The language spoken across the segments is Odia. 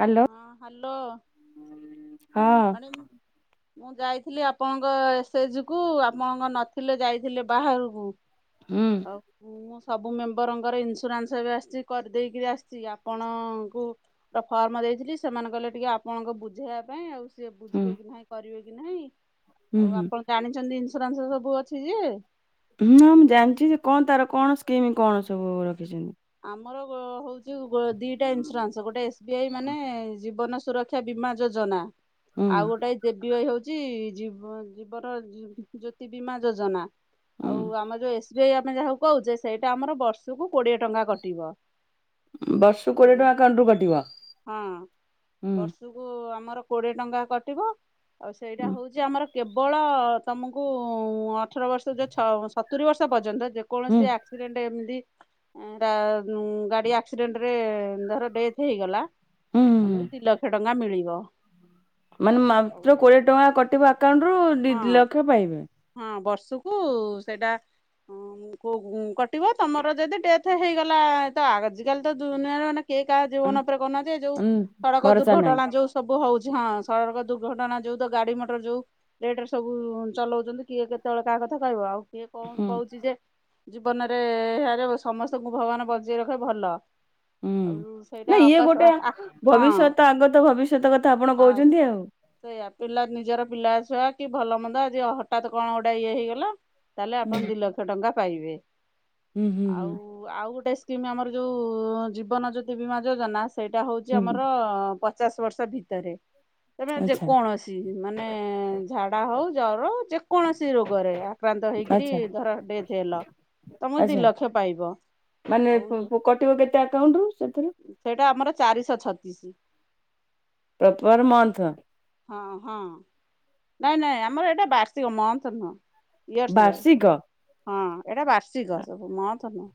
ହ୍ୟାଲୋ ହଁ ହାଲୋ। ହଁ। ମୁଁ ଯାଇଥିଲି ଆପଣଙ୍କ ଏସେ ଜି କୁ ଆପଣଙ୍କ ନଥିଲେ ଯାଇଥିଲେ ବାହାରକୁ ହୁଁ ଆଉ କୁ ମୋ ସବୁ ମେମ୍ବରଙ୍କର ଇନ୍ସୁରାନ୍ସ ଏବେ ଆସିଛି କରି ଦେଇକିରି ଆସିଛି ଆପଣଙ୍କୁ ର ଫର୍ମ କ ଦେଇଥିଲି ସେମାନେ କହିଲେ ଟିକେ ଆପଣଙ୍କ ବୁଝେଇବା ପାଇଁ ଆଉ ସେ ହୁଁ ବୁଝିବେ କି ନାହିଁ କରିବେ କି ନାହିଁ ହୁଁ ଆଉ ହୁଁ। ଆପଣ ଜାଣିଛନ୍ତି ଇ ଇନ୍ସୁରାନ୍ସ ସବୁ ଅଛି ଯେ ହୁଁ ମୁଁ ଜାଣିଛି ଯେ କଣ ତାର କଣ ସ୍କିମ୍ କଣ ସବୁ ରଖିଛନ୍ତି? ଆମର ଗୋ ହଉଛି ଦିଟା ଇନ୍ସୁରାନ୍ସ ଗୋଟେ ଏସ୍ ବି ଆଇ ମାନେ ଜୀବନ ସୁରକ୍ଷା ବୀମା ଯୋଜନା ହୁଁ। ଆଉ ଗୋଟେଏ ଦେବି ବାଇ ହଉଛି ଚି ଜୀବ ଜୀବନ ଜୋ-ଜ୍ୟୋତି ବୀମା ଯୋଜନା ଆଉ ହୁଁ ଆମ ଯୋଉ ଏସ୍ ଏସ ବି ଆଇ ଆମେ ଯାହାକୁ କହୁଛେ ସେଇଟା ଆମର ବର୍ଷକୁ କୋଡିଏ ଟଙ୍କା କଟିବ। ବର୍ଷକୁ କୋଡିଏ ଟଙ୍କା ଆକାଉଣ୍ଟରୁ କାଟିବ ହଁ ହୁଁ। ବର୍ଷକୁ ଆମର କୋଡିଏ ଟଙ୍କା କଟିବ ଆଉ ସେଇଟା ହୁଁ ହଉଛି ଆମର କେବଳ ତମକୁ ଅଠର ବର୍ଷ ଯୋଉ ଛଅ ସତୁରି ବର୍ଷ ପର୍ଯ୍ୟନ୍ତ ହୁଁ ଯେକୌଣସି ଆକ୍ସିଡେଣ୍ଟ ଏମିତି ଏ ଗା-ଗାଡ଼ି ଆକ୍ସିଡେଣ୍ଟରେ ଧର ଡେଥ୍ ହେଇଗଲା। ହୁଁ ହୁଁ। ତମେ ଦି ଲକ୍ଷ ଟଙ୍କା ମିଳିବ। ମାନେ ମାତ୍ର କୋଡିଏ ଟଙ୍କା କଟିବ ଆକାଉଣ୍ଟରୁ ଦି ହଁ ଲକ୍ଷ ପାଇବେ। ହଁ ବର୍ଷକୁ ସେଇଟା ହଁ କଟିବ ତମର ଯଦି ଟେଥ୍ ହେଇଗଲା ତ ଆଜିକାଲି ତ ଦୁନିଆରେ ମାନେ କିଏ କାହା ଜୀବନ ଉପରେ କହୁନାନ୍ତି ଯୋଉ ହୁଁ ସଡକ ଭରସା ନାହିଁ ଦୁର୍ଘଟଣା ଯୋଉ ସବୁ ହଉଛି। ହଁ ସଡ଼କ ଦୁର୍ଘଟଣା ଯୋଉ ତ ଗାଡି ମଟର ଯୋଉ ରେଟରେ ସବୁ ଚଲଉଛନ୍ତି। କିଏ କେତେବେଳେ କାହା କଥା କହିବ ଆଉ କିଏ କଣ ହୁଁ କହୁଛି ଯେ ଜୀବନରେ [unintelligible] ସମସ୍ତଙ୍କୁ ଭଗବାନ ବଞ୍ଚେଇ ରଖିବ ଭଲ। ହୁଁ ଆଉ ସେଇଟା ନାଇ ଇଏ ଅକାଶ ଗୋଟେ ହଁ ଭବିଷ୍ୟତ ଆଗତ ଭବିଷ୍ୟତ କଥା ଆପଣ କହୁଛନ୍ତି ଆଉ। ସେୟା ପିଲା ନିଜର ପିଲା ଛୁଆ କି ଭଲ ମନ୍ଦ ଆଜି ହଠାତ୍ କଣ ଗୋଟେ ଇଏ ହେଇଗଲା ତାହେଲେ ଆପଣ ଦି ଲକ୍ଷ ଟଙ୍କା ପାଇବେ। ହୁଁ ହୁଁ ହୁଁ ଆଉ ଆଉ ଗୋଟେ ସ୍କିମ୍ ଆମର ଯୋଉ ଜୀବନ ଜ୍ୟୋତି ବୀମା ଯୋଜନା। ସେଇଟା ହଉଛି ହୁଁ ଆମର ପଚାଶ ବର୍ଷ ଭିତରେ। ତମେ ଆଚ୍ଛା ଯେକୌଣସି ମାନେ ଝାଡା ହଉ ଜର ଯେ କୌଣସି ରୋଗରେ ଆକ୍ରାନ୍ତ ହେଇକିରି ଆଚ୍ଛା ଧର ଡେଥ ହେଲ। ତମକୁ ଦି ଆଚ୍ଛା। ଲକ୍ଷ ପାଇବ। ମାନେ ଆଉ କଟିବ କେତେ ଆକ ସେଇଟା ଆମର ଚାରିଶହ ଛତିଶ। ପ୍ରଠମରେ ମନ୍ଥ। ହ ହଁ ନାଇଁ ନାଇଁ ଆମର ଏଇଟା ବାର୍ଷିକ ମନ୍ଥ ନୁହଁ। ଇୟର୍ସ ବାଇ। ବାର୍ଷିକ। ହଁ ଏଟା ବାର୍ଷିକ ସବୁ ମଥ୍ ନୁହଁ।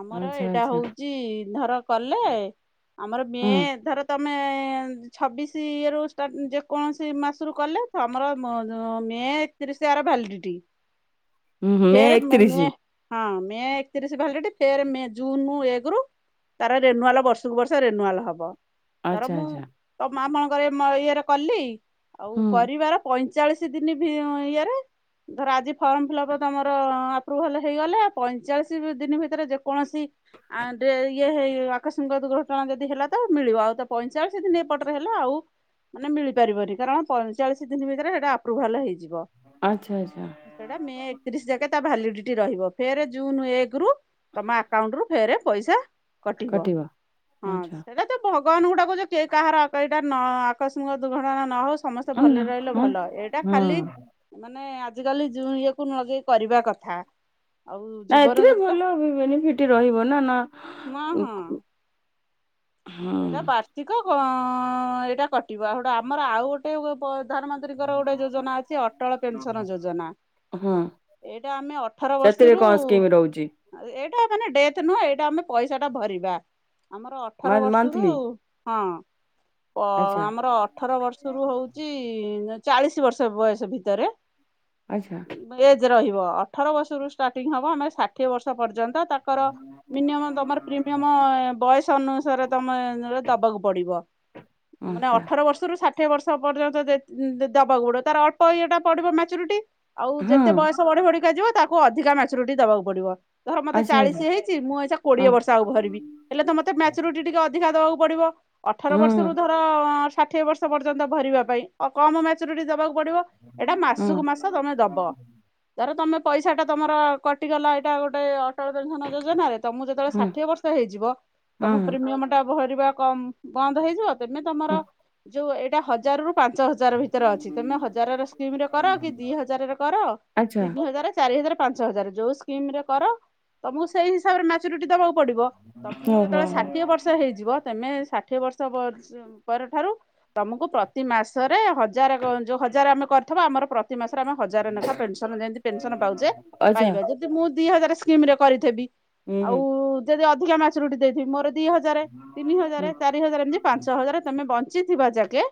ଆମର ଆଚ୍ଛା ଏଇଟା ଆଚ୍ଛା ହଉଛି ଧର କଲେ ଆମର ମେ ହୁଁ ଧର ତମ ଆମେ ଛବିଶି ଇଏରୁ ଷ୍ଟାର୍ଟ ଯେକୌଣସି ମାସରୁ କଲେ ତ ଆମର [unintelligible] ମେ ଏକତିରିଶି ଆର ଭାଲିଡିଟି। ହୁଁ ଫେରେ ଏକତିରିଶ ମେ ହଁ ମେ ଏକତିରିଶ ଭାଲିଡିଟି ଫେରେ ମେ ଜୁନ୍ ଏକରୁ ତାର ରେନୁୱାଲ ବର୍ଷକୁ ବର୍ଷ ରେନୁୱାଲ ହବ। ଧର ଆଚ୍ଛା ମୁଁ ଆଚ୍ଛା ତ [unintelligible] ଇଏରେ କଲି ଆଉ ହୁଁ କରିବାର ପଇଁଚାଳିଶି ଦିନ ଭି ଇଏରେ। ଧର ଆଜି ଫର୍ମ ଫିଲଅପ ତମର ଆପ୍ରୁଭାଲ ହେଇଗଲେ ଆଉ ପଇଁଚାଳିଶ ଦିନ ଭିତରେ ଯେକୌଣସି ଆଣ୍ଡେ ଇଏ ହେଇ ଆକସ୍ମିକ ଦୁର୍ଘଟଣା ଯଦି ହେଲା ତ ମିଳିବ ଆଉ ତ ପଇଞ୍ଚାଳିସ ଦିନ ଏପଟରେ ହେଲେ ଆଉ ମାନେ ମିଳିପାରିବନି କାରଣ ପଁଚାଳିଶସ୍ କିଛି ଦିନ ଭିତରେ ସେଟା ଆପ୍ରୁଭାଲ ହେଇଯିବ ଆଚ୍ଛା ଆଚ୍ଛା ସେଟା ମେ ଏକତିରିଶ ଯାକେ ତା ଭାଲିଡିଟି ରହିବ ଫେରେ ଜୁନ୍ ଏକ ରୁ ତମ ଆକାଉଣ୍ଟ ରୁ ଫେରେ ପଇସା କଟିବ ହଁ ଆଚ୍ଛା ସେଇଟା ତ ଭ ଗବାନକୁ ଗୁଡାଛୁ କିଏ କାହାର ଆକ ଏଇଟା ନ ଆକସ୍ମିକ ଦୁର୍ଘଟଣା ନ ହଉ ସବୁ ଭଲରେ ନା ରହିଲେ ହଁ ଭଲ ଏଇଟା ହଁ ଖାଲି ମାନେ। ଆଯି କାଲି ଯୁଁ ଇଏକୁ ନଗେଇ କରିବା କଥା। ଆଉ ନା ଜୀବନ ଏଥିରେ ଯେତେଟା ଭଲ ବେନିଫିଟ ରହିବ ନା ନା। ହଁ ହଁ ହଁ ଏଇଟା ବାର୍ଷିକ ଏଇଟା କଟିବ ଗୋଟେ ଆମର ଆଉ ଗୋଟେ। ପ୍ରଧାନମନ୍ତ୍ରୀଙ୍କର ଗୋଟେ ଯୋଜନା ଅଛି ଅଟଳ ପେନସନ ଯୋଜନା। ହଁ ଏଇଟା ଆମେ ଅଠର ସେଥିରେ ବର୍ଷରୁ କଣ ସ୍କିମ୍ ରହୁଛି ଏ ଟା ମାନେ ଡେଥ ନୁହଁ ଏଇଟା ଆମେ ପଇସାଟା ଭରିବା ଆମର ଅଠର ବର୍ଷ। ଥି ହଁ ପ ଆମର ଅଠର ବର୍ଷରୁ ହଉଚି। ଚାଳିଶି ବର୍ଷ ବୟସ ଭିତରେ ଆଚ୍ଛା ଏଜ ରହିବ। ଅଠର ବର୍ଷରୁ ଷ୍ଟାର୍ଟିଂ ହେବ ଆମ ଷାଠିଏ ବର୍ଷ ପର୍ଯ୍ୟନ୍ତ। ତାଙ୍କର ମିନିୟମ ତମର ପ୍ରିମିୟମ ବୟସ ଅନୁସାରେ ତମେ ଦବାକୁ ପଡିବ ମାନେ ଆଚ୍ଛା ଅଠର ବର୍ଷରୁ ଷା ଠିଏ ବର୍ଷ ପର୍ଯ୍ୟନ୍ତ ଦେ ଦବାକୁ ପଡିବ ତାର ଅଳ୍ପ ଇଏଟା ପଡିବ ମ୍ୟାଚୁରିଟି। ଆଉ ହଁ ଯେତେ ବୟସ ବଢି ବଢିକା ଯିବ ତାକୁ ଅଧିକା ମ୍ୟାଚୁରିଟି ଦବାକୁ ପଡିବ। ଧର ମତେ ଆଚ୍ଛା ଚାଳିଶି ଆଚ୍ଛା ହେଇଚି ମୁଁ ଏଇଚା ହଁ କୋଡିଏ ବର୍ଷ ଆଉ ଭରିବି ହେଲେ ତ ମତେ ମ୍ୟାଚ୍ୟୁରିଟି। ଅଧିକା ଦବାକୁ ପଡିବ ଅଠର ହଁ ବର୍ଷରୁ ଧର ଅଁ ଷାଠିଏ ବର୍ଷ ପର୍ଯ୍ୟନ୍ତ ଭରିବା ପାଇଁ ଅ କମ ମ୍ୟାଚୁରିଟି ଦେବାକୁ ପଡିବ ଏଟା ହଁ ମାସକୁ ମାସ ତମେ ଦବ ଧର ତମେ ପଇସାଟା ତମର କଟିଗଲା ଏଇଟା ଗୋଟେ ଅ ଟାଳ ପେସନ ଯୋଜନାରେ ତମକୁ ଯେତେବେଳେ ହଁ ଷଠିଏ ବର୍ଷ ହେଇଯିବ ତମ ହଁ ପ୍ରିମିୟମ ଟା ଭରିବା କମ୍ ବନ୍ଦ ହେଇଯିବ ତେମେ ତମର ହଁ ଯୋଉ ଏଇଟା ହଜାରରୁୁ ପାଞ୍ଚ ହ ଜାର ଭିତରେ ଅଛି ତମେ ହଜାରରେ ସ୍କିମ୍ ରେ କର କି ଦି ହଜାରରେ କର ଆଚ୍ଛା ତିନି ହଜାର, ଚାରି ହଜାର ପାଞ୍ଚ ହଜାର ଯୋଉ ସ୍କିମ ରେ କର ତମକୁ ସେଇ ହିସାବରେ ମ୍ୟାଚୁରିଟି ଦବାକୁ ପଡିବ ତମକୁ ଓହୋ ଯେତେବେଳେ ଷାଠିଏ ବର୍ଷ ହେଇଯିବ ତେମେ ଷାଠିଏ ବର୍ଷ ପ୍ରସ ପରଠାରୁ ତମକୁ ପ୍ରତି ମାସରେ ହଜାରେ କ ଯଉ ହଜାରେ ଆମେ କ କରିଥିବା ଆମର ପ୍ରତି ମାସରେ ଆମେ ହଜାରେ ନାଖା ପେନସନ୍ ଯେମିତି ପେନସନ୍ ପାଉଚେ ଆଚ୍ଛା ପାଇବା ଯଦି ମୁଁ ଦି ହଜାର ସ୍କିମରେ କରିଥବି ହୁଁ ଆଉ ଯଦି ଅଧିକା ମ୍ୟାଚୁରୁଟି ଦେଇଥିବି ମୋର ଦି ହଜାରେ, ତିନି ହଜାରେ, ହୁଁ ଚାରି ହଜାରେ, ଏମତି ପାଞ୍ଚ ହୁଁ ହଜାରେ ତମେ ବଞ୍ଚିଥିବା ଯାକେ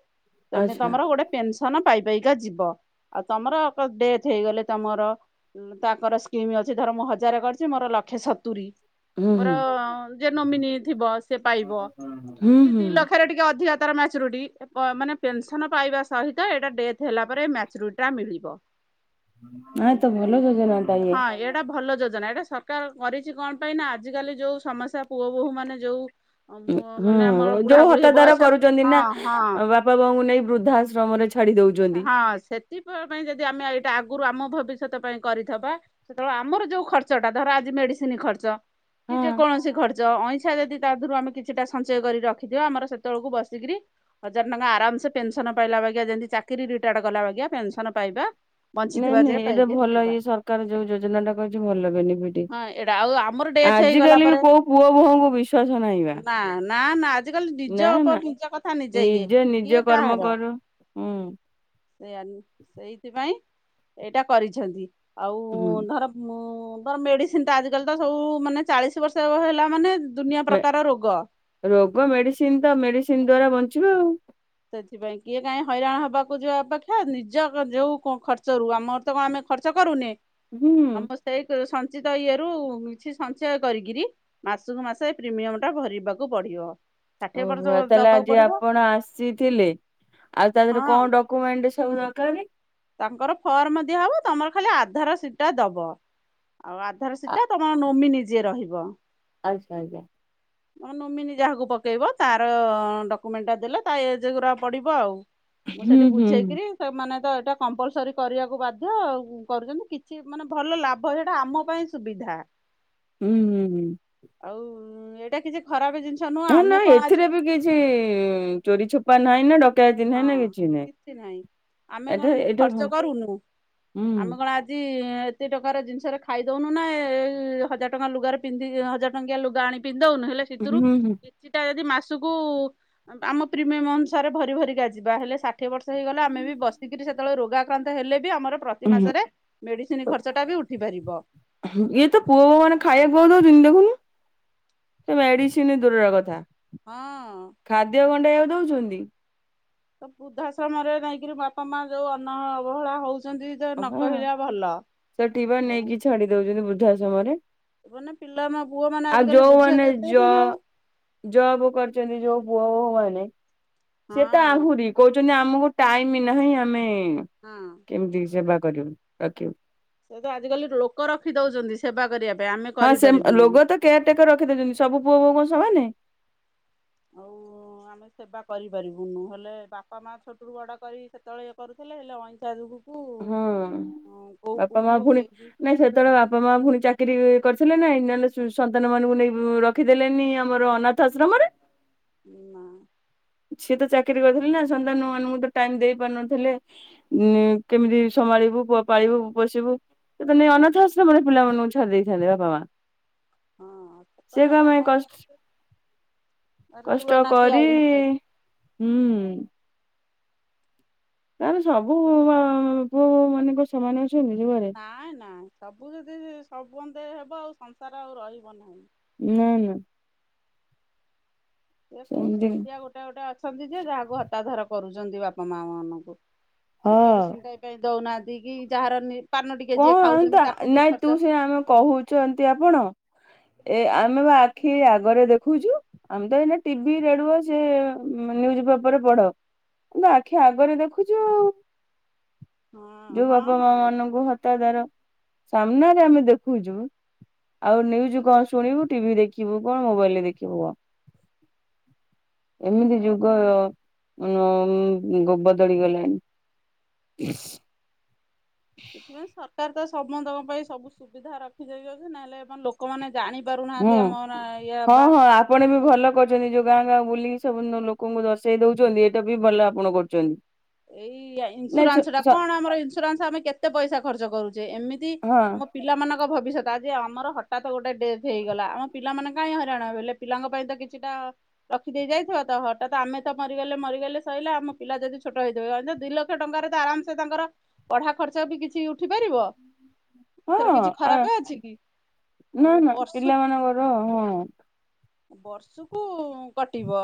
ତେମେ ତମର ଗୋଟେ ପେନସନ୍ ପାଇ ପାଇକା ଯିବ ଆଉ ତମର ଅକ ଡେଥ ହେଇଗଲେ ତମର ତାପରେ ସ୍କିମ୍ ଅଛି ଧର ମୁଁ ହଜାର କରିଚି ମୋର ଲକ୍ଷେ ସତୁରି ମୋର ଯିଏ ନୋମିନି ଥିବ ସେ ପାଇବ କି ହୁଁ ଦି ଲକ୍ଷରେ ଟିକେ ଅଧିକା ତାର ମ୍ୟାଚୁରିଟି ବ ମାନେ ପେନସନ୍ ପାଇବା ସହିତ ଏଇଟା ଡେଥ୍ ହେଲା ପରେ ମ୍ୟାଚ୍ୟୁରିଟିଟା ମିଳିବ। ନାଇଁ ତ ଭଲ ଯୋଜନା ଟା ଇଏ ହଁ ଏଇଟା ଭଲ ଯୋଜ ଯୋଜନା ଏଇଟା ସରକାର କରିଛି କଣ ପାଇଁ ନା ଆଜିକାଲି ଯେଉଁ ସମସ୍ୟା ପୁଅ ବୋହୁ ମାନେ ଯୋଉ ମୁଁ ହୁଁ ମାନେ ଆମର ବୁଢା ଯୋଉ ବୁଢୀ ହତାଦାର ବୟସ କରୁଛନ୍ତି ହଁ ନା ହଁ ବାପା ବାଉଙ୍କୁ ନେଇ ବୃଦ୍ଧାଶ୍ରମରେ ଛାଡି ଦଉ ହଁ ସେଥିପ ପାଇଁ ଯଦି ଆମେ ଏଇଟା ଆଗରୁ ଆମ ଭବିଷ୍ୟତ ପାଇଁ କରିଥବା ସେତେବେଳେ ଆମର ଯୋଉ ଖର୍ଚ୍ଚଟା ଧର ଆଜି ମେଡିସିନ ଖର୍ଚ୍ଚ କି ହଁ ଯେ କୌଣସି ଖର୍ଚ୍ଚ ଅଇଁ ଛା ଯଦି ତାଧରୁ ଆମେ କିଛିଟା ସଞ୍ଚୟ କରି ରଖିଥିବା ଆମର ସେତେବେଳକୁ ବସିକିରି ହଜାର ଟଙ୍କା ଆରାମସେ ପେନସନ୍ ନ ପାଇଲା ବାଗିଆ ଯେମିତି ଚାକିରି ରିଟାଡ କଲା ବାଗିଆ ପେନସନ୍ ପାଇବା ନାଇଁ ବଞ୍ଚିଥିବା ନାଇଁ ଯେ ଏଇଟା ପାଇକି ଭଲ ଯିବା ଇଏ ସରକାର ଯୋଉ ଯୋଜନା ଟା କରଚି ଭଲ ବେନିଫିଟି। ହଁ ଏଇଟା ଆଉ ଆମର ଡେଥ୍ ହେଇଗଲା ଆଜିକାଲି ବି ପରେ କୋଉ ପୁଅ ବୋହୁ ଙ୍କୁ ବିଶ୍ଵାସ ନହିଁବା ନା ନା ନା ଆଜିକାଲି ନିଜ ନା ଉପରେ ନା ନିଜ କଥା ଇଏ ନିଜେ ନିଜେ କର୍ମ କରୁ ହୁଁ। ସେୟା ସେଇଥିପାଇଁ ଏଇଟା କରିଛନ୍ତି ଆଉ ହୁଁ ଧର ମୁଁ ମୁଁ ତ ମେଡିସିନଟା ଆଜିକାଲି ତ ସବୁ ମାନେ ଚାଳିଶି ବର୍ଷ ହେଲା ବ ମାନେ ଦୁନିଆ ମେ ପ୍ରକାର ରୋଗ। ରୋଗ ମେଡିସିନ ତ ମେଡିସିନ ଦ୍ଵାରା ବଞ୍ଚିବା ଆଉ। ସେଥିପାଇଁ କିଏ କାହିଁ ହଇରାଣ ହବାକୁ ଯିବ ଅପେକ୍ଷା ନିଜ ଯୋଉ ଖର୍ଚ୍ଚ ରୁ ଆମର ତ କଣ ଆମେ ଖର୍ଚ୍ଚ କରୁନେ ହୁଁ ଆମ ସେଇ ସଂ ନିିତ ଇଏରୁ କିଛି ସଞ୍ଚୟ କରିକିରି ମାସକୁ ମାସ ପ୍ରିମିୟମ ଟା ଭରିବାକୁ ପଡିବ। ଷାଠିଏ ବର୍ଷ ଓହୋ ତାହେଲେ ଦବାକୁ ଆଜି ପଡିବ ଆପଣ ଆସି ଥିଲେ ଆଉ ତା ଦେହରେ ହଁ କଣ ଡକମେଣ୍ଟ ସବୁ ଦରକାର ତାଙ୍କର ଫର୍ମ ଦିଆ ହବ ତମର ଖାଲି ଆଧାର ସିଟ ଟା ଦବ ଆଉ ଆଧାର ଆ ସିଟ ଟା ତମର ନୋମିନିଜିଏ ରହିବ ଆଚ୍ଛା ଆଜ୍ଞା। ନୋମିନି ଯାହାକୁ ପକେଇବ ତାର ଡକୁମେଣ୍ଟ ଟା ଦେଲେ ତା ଏଜଗୁରା ପଢିବ ଆଉ। ମୁଁ ହୁଁ ସେଠି ହୁଁ ବୁଝେଇକିରି ସେମାନେ ତ କମ୍ପଲସରି କରିବାକୁ ବାଧ୍ୟ କରୁଛନ୍ତି କିଛି ମାନେ ଭଲ ଲାଭ ସେଇଟା ଆମ ପାଇଁ ସୁବିଧା ହୁଁ ହୁଁ ହୁଁ। ଆଉ ଏଇଟା କିଛି ଖରାପ ଜିନିଷ ନୁହଁ ନା ନା ଆମେ କଣ ଆଜି ଏଥିରେ ବି କିଛି ଚୋରି ଛୋପା ନାହିଁ ନା ଡ଼ ହଁ କିଛି ନାହିଁ ଆମେ କଣ ଏଟା ଏମିତି ଏଟା ହୁଁ ଖର୍ଚ୍ଚ କରୁନୁ ଆମେ କଣ ଆଜି ଯି ଏତେ ଟଙ୍କାର ଜିନିଷରେ ଖାଇଦଉନୁ ନା ଏ-ଏ ଏଇ ହଜାର ଟଙ୍କା ଲୁଗାରେ ପିନ୍ଧି ଅଁ ହଜାର ଟଙ୍କିଆ ଲୁଗା ଆଣି ପିନ୍ଧି ଦଉନୁ ହେଲେ ହୁଁ ସେଥିରୁ ହୁଁ କିଛିଟା ଯଦି ମାସକୁ ଆମ ପ୍ରିମୟମ ଅନୁସାରେ ଭରି ଭରିକା ଯିବା ହେଲେ ଷାଠିଏ ବର୍ଷ ହେଇଗଲା ଆମେ ବି ବସିକିରି ସେତେବେଳେ ରୋଗା କ୍ରାନ୍ତ ହେଲେ ଆମର ପ୍ରତି ହୁଁ। ମାସରେ ମେଡିସିନ ଖର୍ଚ୍ଚ ଟା ବି ଉଠି ପାରିବ। ଇଏ ତ ପୁଅ ବୋଉ ମାନେ ଖାଇବାକୁ କହୁ ଦଉଛନ୍ତି ଦେଖୁନୁ ସେ ମେଡିସିନ ଦୂରର କଥା। ହଁ। ରଉଛନ୍ତି। ତ ବୃଦ୍ଧାଶ୍ରମରେ ନେଇକିରି ବାପା ମା ଯୋଉ ଅନ ଅବହେଳା ହଉଛି। କହୁଛନ୍ତି ତ ନ ହଁ କହିଲା ଭଲ ସେଠି ବା ଆଉ ନେଇକି ଛାଡି ଦଉଛନ୍ତି ବୃଦ୍ଧାଶ୍ରମରେ। ଏମାନେ ପିଲା ମ ପୁଅ ମାନେ ଆଜିିକାଲି ବୁଝିବା କରିଥାନ୍ତି ନା ଆଉ। ଯବ କରୁଛନ୍ତି ଯୋଉ ପୁଅ ବୋହୁ ମାନେ। ହଁ ସେ ତ ଆହୁରି କହୁଛନ୍ତି ଆମକୁ ଟାଇମ୍ ନାହିଁ ଆମେ ହୁଁ ହଁ। କେମିତି ସେବା କରିବୁ ରଖିବୁ। ସେ ତ ଆଜିକାଲି ଲୋକ ରଖି ଦଉଛନ୍ତି ସେବା କରିବା ପାଇଁ। ଆମେ ହଁ ସେ କରିପାରିବୁନୁ। ଲୋଗ ତ କେୟାର ଟେକର ରଖିଦଉଛନ୍ତି ସବୁ ପୁଅ ବୋଉ କଣ ସମାନେ। ହୋଉ। ହଁ ଆମେ ସେବା କରିପାରିବୁ ନହଲେ ବାପା ମାଆ ଛୋଟରୁ ବଡ଼ କରି ସେତେବେଳେ ଇଏ କରୁଥିଲେ ଅଇଁଠା ଯୋଗୁ ହଁ ବାପା ମାଆ ବୋହୂ ପୁଣି କେହି ବି ନାଇଁ ସେତେବେଳେ ବାପା ମାଆ ପୁଣି ଚାକିରି କରିଥିଲେ ନାଇଁ ନହେଲେ ସନ୍ତାନ ମାନଙ୍କୁ ନେଇ ରଖିଦେଲେନି ଆମର ଅନାଥ ଆଶ୍ରମରେ। ନାଁ। ସିଏ ତ ଚାକିରି କରିଥିଲେ ନା ସନ୍ନ୍ତାନ ନୁ ମାନଙ୍କୁ ତ ଟାଇମ୍ ଦେଇ ପାରୁନଥିଲେ କେମିତି ସମ୍ଭାଳି ପାଳିବୁ ପୋଷିବୁ ସେ ଅନାଥ ଆଶ୍ରମରେ ପିଲାମାନାନଙ୍କୁ ଛାଡି ଦେଇଥାନ୍ତି ବାପା ମାଆ। ହଁ ସେ କଥା ବାପା କଷ୍ଟ ମାଆ କଷ୍ଟ କରି ହୁଁ। ତାର ସବୁ ପୁଅ ମାନଙ୍କ ସେମାନେ ନାଇଁ ନା ସବୁ ଯଦି ସବୁ ମନ୍ଦେ ହେବ ଆଉ ସଂସାର ଆଉ ରହିବ ନାହିଁ। ନା ନା। ସେମିତି ସେସ୍ତିଆ ଗୋଟେ ଗୋଟେ ଅଛନ୍ତି ଯେ ଯାହାକୁ ହତାଧର କରୁଛନ୍ତି ବାପା ମାଆ ମାନଙ୍କୁ। ହଁ ମେଡିସିନ ଟା ପାଇଁ ଦଉନାହାନ୍ତି କି ଯାହାର ନି କଣତା ନାଇଁ ତୁ ସେନା ଆମେ କହୁଛନ୍ତି ଆପଣ। ହ ଏ ଆମେ ବା ଆଖି ଆଗରେ ଦେଖୁଛୁ ଆମେ ତ ଏଇ ଟିଭି ରେଡୁ ସେ ମାନେ ଯିବା ପରେ ପଢ କିନ୍ତୁ ଆଖି ଆଗରେ ଦେଖୁଛୁ ଆଉ। ହଁ ଯୋଉ ହଁ ବାପା ମାଆ ହଁ ମାନଙ୍କୁ ହତା ଆଦର ସାମ୍ନାରେ ଆମେ ଦେଖୁଛୁ। ଆଉ ନ୍ୟୁଜ୍ କଣ ଶୁଣିବୁ? ଟିଭି ଦେଖିବୁ କଣ? ମୋବାଇଲ ରେ ଦେଖିବୁ କଣ? ଏମିତି ଯୁଗ ଉଁମ ଯୁଗ ବଦଳି ଗଲାଣି। ସେଥିପାଇଁ ସରକାର ତ ସମସ୍ତଙ୍କ ପାଇଁ ସବୁ ସୁବିଧା ରଖି ଯାଇାଉଛନ୍ତି। ନହେଲେ ଲୋକମାନେ ଜାଣି ହୁଁ। ପାରୁନାହାନ୍ତି ଆମ ଇଏ ହଁ ବା ହଁ ଆପଣ ବି ଆଜିକାଲି ଭଲ କରଛନ୍ତି। ଯୋଉ ଗାଁ ଗାଁ ବୁଲିିକି ସବୁନ ଲୋକଙ୍କୁ ଦର୍ଶେଇ ଦଉଛନ୍ତି ଏଇଟା ବି ଭଲ ଆପଣ କରୁଛନ୍ତି। ଏଇ ୟା ନାଇଁ ସ ଇନ୍ସୁରାନ୍ସ ଟା ସ କଣ ଆମର ଇନ୍ସୁରାନ୍ସ? ଆମେ କେତେ ପଇସା ଖର୍ଚ୍ଚ କରୁଛେ। ଏମିତି ହଁ ଆମ ପିଲାମାନକ୍ କ ଭବିଷ୍ୟତ ଯେ ଆମର ହଟାତ୍ ଗୋଟେ ଡେଥ୍ ହେଇଗଲା। ଆମ ପିଲାମାନେ କାଇଁ ହଇରାଣ ହେବେ। ଲେ ପିଲାଙ୍କ ପାଇଁ ତ କିଛିଟା ଅ ରଖିଦେଇ ଯାଇଥିବ ତ ହଠାତ୍ ଆମେ ତ ମରିଗଲେ ମରିଗଲେ ସ‌ଇଲା ଆମ ପିଲା ଯଦି ଛୋଟ ହେଇଦ ରଯ ଲକ୍ଷ ଟଙ୍କାରେ ତ ଆରାମସେ ତାଙ୍କର ପଢା ଖର୍ଚ୍ଚ ବି କିଛି ଉଠି ପାରିବ। ଥର ହଁ କିଛି ଆ ଖରାପ ଅଛି କି? ନା ଆଉ ନା ବର୍ଷ ପିଲାମାନଙ୍କର ହଁ। ବର୍ଷୁକୁ କଟିବ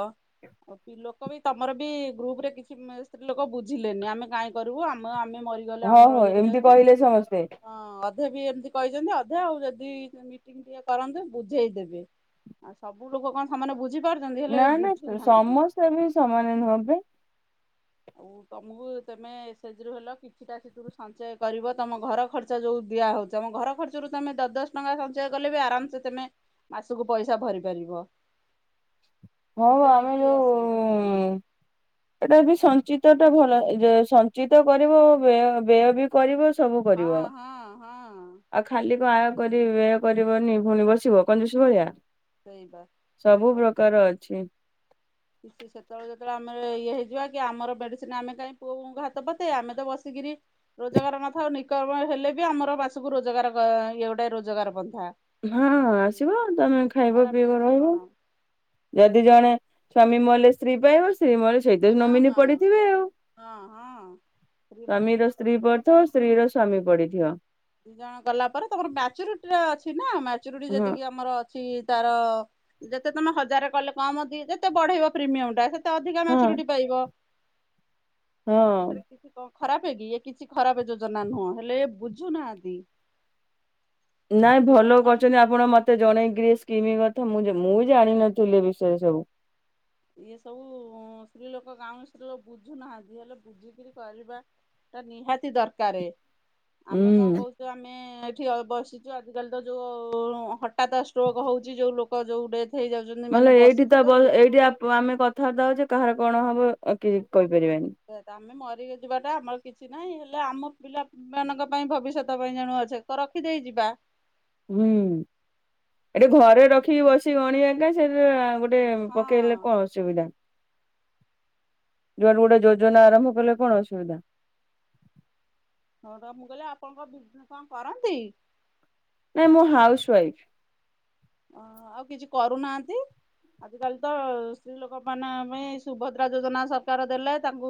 ଲୋକ ବି ତମର ବି ଗ୍ରୁପ ରେ କିଛି ମିସ୍ ଲୋକ ବୁଝିଲେନି ଆମେ କାଇଁ କରିବୁ ଆମ ଆମେ ମରିଗଲେ ହଁ ଆମର ହ ଇଏ ଏମିତି ହେଇଯାଉଛି। କହିଲେ ସମସ୍ତେ। ହଁ ଅଧେ ବି ଏମତି କହିଛନ୍ତି। ଅଧେ ଆଉ ଯଦି ମିଟିଂ ଟିକେ କରନ୍ତେ ବୁଝେଇଦେବେ। ଆଉ ସବୁ ଲୋକ କଣ ସମାନ୍ ବୁଝ୍ ନା ନା ସମସ୍ତେ ବି ସମାନେ ନୁହନ୍ତି। ଓଉ। ତମକୁ ତେମେ ଏସେ ଜିରୁ ହେଲ କିଛିଟା ସେଥିରୁ ସଞ୍ଚୟ କରିବ ତମ ଘର ଖର୍ଚ୍ଚ ଯୋଉ ଦିଆହେଉଛ ତମ ଘର ଖର୍ଚ୍ଚରୁ ତମେ ଦଶ୍ ଦଶ୍ ଟଙ୍କା ସଞ୍ଚୟ କଲେ ବି ଆରାମସେ ତମେ ମାସକୁ ପଇସା ଭରି ପାରିବ। ହଉ ଏଥିରେ ଆମେ କିଛି ଅସୁବିଧା କର ନାହିଁ। ଯୋଉଁ ଟାବି ସଞ୍ଚିତଟା ଭଲ‌ ଏଇଯେ ସଞ୍ଚିତ କରିବ ବ୍ୟୟ ବ୍ୟୟ ବି କରିବ। ସବୁ ହଁ କରିବ। ହଁ ହଁ ଆଉ ଖାଲି କ‌ ଆ କରିବେ କରିବନି ଭୁଣି ବସିବ କଞ୍ଜୁସ୍ ଭଳିଆ। ସେଇବା ସବୁ ଆଉ ପ୍ରକାର ଅଛି। କିଛି ସେତେବେଳେ ଯେତେବେଳେ ଆମ ଇଏ ହେଇଯିବା କି ଆମର ମେଡିସିନ ଆମେ କାଇଁ ପୁଅବୋହୁଙ୍କୁ ହାତ ପତେଆ ଆମେ ତ ବସିକ୍ କିରି ରୋଜଗାର ନଥାଉ ନିକର୍ମ ହେଲେ ବି ଆମର ବାସକୁ ରୋଜଗାର କ ଇଏଗୋଟେ ରୋଜଗାର ପନ୍ଥ ହଁ, ଆସିବ ତମେ ଖାଇବ ଖରାପ ପିଇବ ଅଛି ରହିବ। କଣ ଯଦି ଜଣେ ସ୍ୱାମୀ ମଲେ ସ୍ତ୍ରୀ ପାଇବ ସ୍ତ୍ରୀ ମଲେ ସେଇତିରେ ହଁ ନମିନୀ ହଁ ପଡିିଥିବେ ଆଉ। ହଁ ହଁ ସ୍ତ୍ରୀ ମରିଗଲେ ସ୍ବାମୀର ସବୁ ସ୍ତ୍ରୀ ପାଇବ ପଡିଥିବ। ସ୍ତ୍ରୀ ର ସ୍ଵାମୀ ପଡିଥିବ। ଦି ଜଣ ଗଲା ପରେ ତମର ମ୍ୟାଚୁରିଟିର ଅଛିନା ମ୍ୟାଚୁରୁଟି ହଁ ଯେତିକି ଆମର ଛି ତାର ଯେତେ ତମେ ହଜାରେ କଲେ କମ ଦି ଯେତେ ବଢେଇବ ପ୍ରିମିୟମଟା ସେ ତେଅଧିକା ହଁ ମାଚୁରୁଟି ପାଇବ। ହଁ [unintelligible] ଖରାପ କି ଇଏ କିଛି ଖରାପ ଯୋଜନା ନୁହଁ ହେଲେ ବୁଝ ବୁଝୁ ନାହାନ୍ତି ନାଇଁ ଭଲ କରିଛନ୍ତି। ଆପଣ ମତେ ଜଣେଇ ଗ୍ରୀସ୍ କିମିକଥା ମୁଁ ଯେ ମୁଁ ଜାଣିନଥିଲି ଏ ବିଷୟରେ ସବୁ। ଇଏ ସବୁ ଉଁ ସ୍ତ୍ରୀ ଲୋକ ଗାଁଉଲି ସ୍ତ୍ରୀ ଲୋକ ବୁଝୁନାହାନ୍ତି। ହେଲେ ବୁଝିକିରି କରିବା ଟା ନିହାତି ଦରକାରେ। ଆମେ କଣ ହୁଁ କହୁଛୁ? ଆମେ ଏଠି ବସିଛୁ ଆଜିକାଲି ତ ଯୋଉ ହଠାତ୍ ଷ୍ଟ୍ରୋକ୍ ହଉଛି। ଯୋଉ ଲୋକ ଯୋଉ ଡେଥ ନଲେ ଏଇଠି ତ ବ ଏଇଠି ଆପ ଆମେ କଥାବାର୍ତ୍ତା ହେଉଛୁ କାହାର କଣ ହବ ଆଉ କିଛି କହି କହିପାରିବାନି। ରହିତା ଆମେ ମରି ଯିବାଟା ଆମର କିଛି ନାହିଁ। ହେଲେ ଆମ ପିଲା ମାନଙ୍କ ପାଇଁ ଭବିଷ୍ୟତ ପାଇଁ ଜାଣୁଅ ଛେକ ରଖିଦେଇ ଯିବା। ହୁଁ, ଏଠି ଘରେ ରଖିକି ବସିକି ଗଣିଆକା ସେଟା ଗୋ ଟେ ପକେଇଲେ ହଁ। କଣ ଅସୁବିଧା? ଜୁଆଡେ ଗୋଟେ ଯୋଜନା ଆରମ୍ଭ କଲେ କଣ ଅସୁବିଧା? ହଁ ର ମୁଁ କହିଲି ଆପଣଙ୍କ ବିଜନେସ କଣ କରନ୍ତି? ନାଇଁ ମୁଁ ହାଉସ ୱାଇଫ। ଅ ଆଉ କିଛି କରୁନାହାନ୍ତି? ଆଜିକାଲି ତ ସ୍ତ୍ରୀ ଲୋକ ମାନଙ୍କ ପାଇଁ ସୁଭଦ୍ରା ଯୋଜନା ସରକାର ଦେଲେ ତାଙ୍କୁ